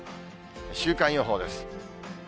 週間予報です。